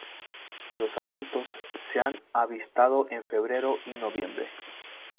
Los adultos se han avistado en febrero y noviembre.